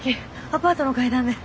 アパートの階段で。